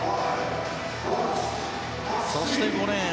そして５レーン